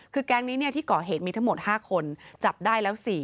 คือแก๊งนี้ที่ก่อเหตุมีทั้งหมด๕คนจับได้แล้ว๔